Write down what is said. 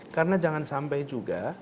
karena jangan sampai juga